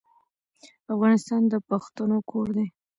افغانستان د پښتنو کور دی.